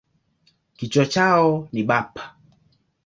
Kichwa chao ni bapa.